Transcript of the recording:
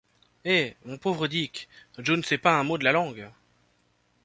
Eh ! mon pauvre Dick, Joe ne sait pas un mot de la langue !